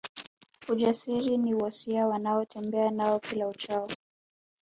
Ujasiri ni wosia wanaotembea nao kila uchao